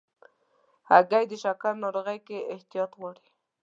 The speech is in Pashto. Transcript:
هګۍ د شکر ناروغۍ کې احتیاط غواړي.